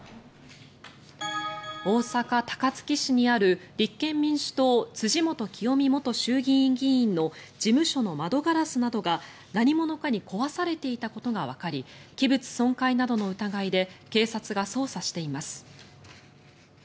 大阪・高槻市にある立憲民主党辻元清美元衆議院議員の事務所の窓ガラスなどが何者かに壊されていたことがわかり器物損壊などの疑いで警察が捜査しています。